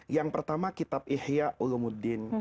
yang pertama kitab ihya ulumuddin